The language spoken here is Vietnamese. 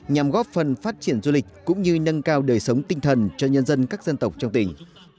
nhằm góp phần phát triển du lịch cũng như nâng cao đời sống tinh thần cho nhân dân các dân tộc trong tỉnh